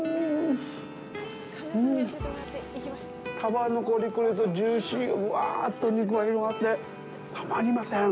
皮のコリコリとジューシーがうわぁとお肉が広がって、たまりません！